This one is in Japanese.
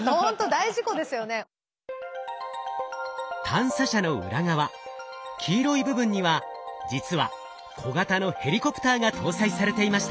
探査車の裏側黄色い部分には実は小型のヘリコプターが搭載されていました。